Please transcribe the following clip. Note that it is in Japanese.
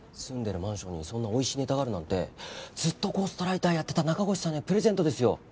住んでるマンションにそんなおいしいネタがあるなんてずっとゴーストライターやってた中越さんへのプレゼントですよ